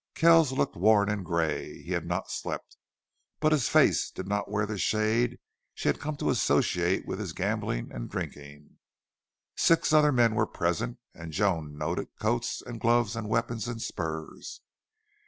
Kells looked worn and gray. He had not slept. But his face did not wear the shade she had come to associate with his gambling and drinking. Six other men were present, and Joan noted coats and gloves and weapons and spurs.